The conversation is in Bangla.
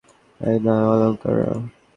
এই নাও অলঙ্কাকার।